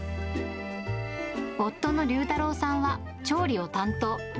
夫の隆太郎さんは調理を担当。